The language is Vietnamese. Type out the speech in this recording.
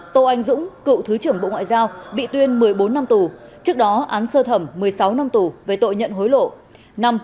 bốn tô anh dũng cựu thứ trưởng bộ ngoại giao bị tuyên một mươi bốn năm tù trước đó án sơ thẩm một mươi sáu năm tù về tội nhận hối lộ